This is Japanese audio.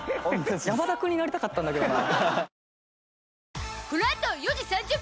山田君になりたかったんだけどな。